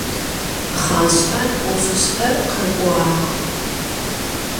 Pxhaş'er 'ofış'e khek'uağ.